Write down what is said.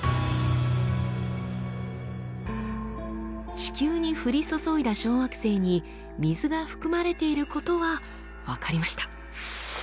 地球に降り注いだ小惑星に水が含まれていることは分かりました。